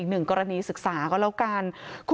หนึ่งกรณีศึกษาก็แล้วกัน